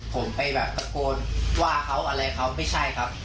ผมไปแบบตะโกนว่าเขาอะไรเขาไม่ใช่ครับ